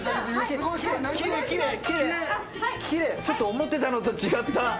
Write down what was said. ちょっと思ってたのと違った。